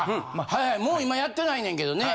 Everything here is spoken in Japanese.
はいはいもう今やってないねんけどね。